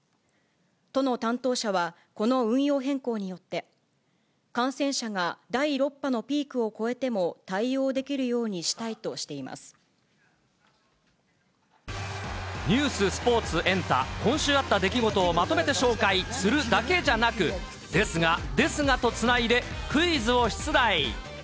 都の担当者は、この運用変更によって、感染者が第６波のピークを越えても、対応できるようにしたいとしニュース、スポーツ、エンタ、今週あった出来事をまとめて紹介するだけじゃなく、ですが、ですがとつないでクイズを出題。